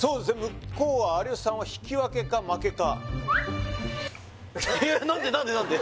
向こうは有吉さんは引き分けか負けか何で何で何で？